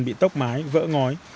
bị tốc mái vỡ ngói